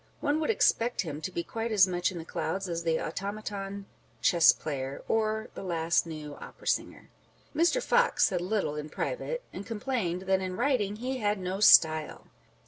One would expect him to be quite as much in the clouds as the automaton chess player, or the last new Opera singer. Mr. Fox said little in private, and complained that in writing he had no style.